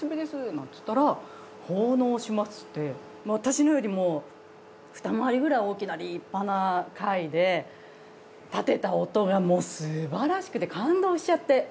なんつったら奉納しますって私のよりもふた回りくらい大きな立派な貝で立てた音がもうすばらしくて感動しちゃって。